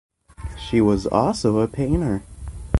She was also a painter.